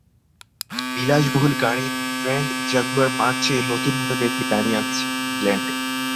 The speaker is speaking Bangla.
বিলাসবহুল গাড়ির ব্র্যান্ড জাগুয়ার মার্চে নতুন মডেলের একটি গাড়ি আনছে ইংল্যান্ডে।